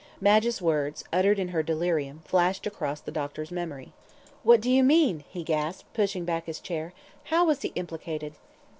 Madge's words, uttered in her delirium, flashed across the doctor's memory. "What do you mean?" he gasped, pushing back his chair. "How was he implicated?"